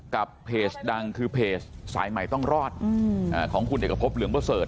กับเพจดังคือเพจสายใหม่ต้องรอดอืมอ่าของคุณเด็กกระพบเหลืองเบอร์เสิร์ฟ